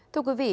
thưa quý vị